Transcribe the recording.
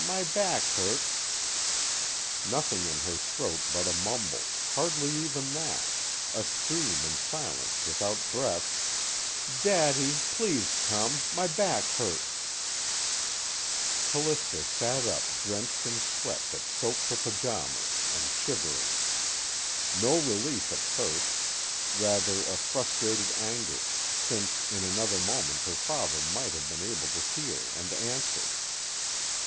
My back hurts_ " nothing in her throat but a mumble, hardly even that, a scream in silence without breath: "Daddy! Please come my back hurts " Callista sat up drenched in sweat that soaked her pajamas, and shivering. No relief at first, rather a frustrated anger, since in another moment her father might have been able to hear and answer.